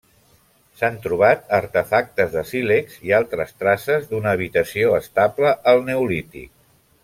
S'han trobat artefactes de sílex i altres traces d'una habitació estable al neolític.